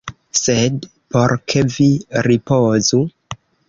Sed por ke vi ripozu.